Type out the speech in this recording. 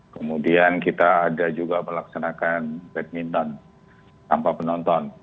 kemudian kita ada juga melaksanakan badminton tanpa penonton